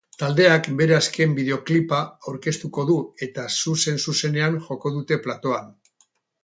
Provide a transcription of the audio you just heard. Taldeak bere azken bideoklipa aurkeztuko du eta zuzen zuzenean joko dute platoan.